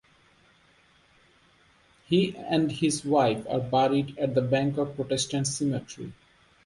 He and his wife are buried at the Bangkok Protestant Cemetery.